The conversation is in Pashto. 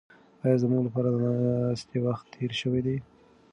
ایا زموږ لپاره د ناستې وخت تېر شوی دی؟